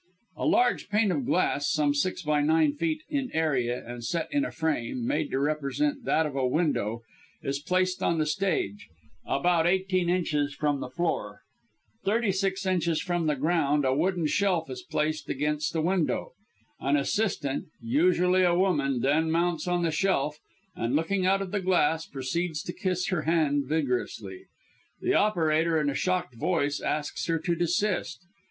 A large pane of glass some nine by six feet in area, and set in a frame, made to represent that of a window, is placed on the stage, about eighteen inches from the floor. Thirty six inches from the ground a wooden shelf is placed against the window. An assistant usually a woman then mounts on the shelf and, looking out of the glass, proceeds to kiss her hand vigorously. The operator in a shocked voice asks her to desist.